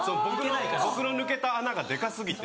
僕の抜けた穴がデカ過ぎて。